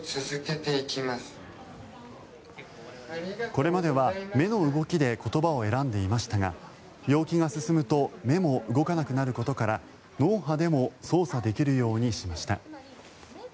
これまでは目の動きで言葉を選んでいましたが病気が進むと目も動かなくなることから脳波でも操作できるようにしました。